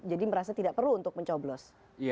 jadi merasa tidak perlu untuk mencoblos